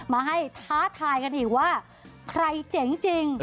มาให้ท้าทายกันอีกว่าใครเจ๋งจริง